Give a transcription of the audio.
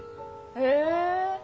へえ。